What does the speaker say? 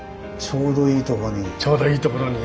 ちょうどいいとこに。